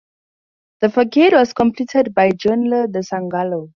The facade was completed by Giuliano da Sangallo.